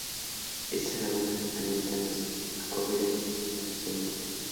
Estas lagunas alimentan los acuíferos subyacentes.